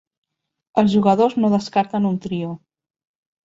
Els jugadors no descarten un trio.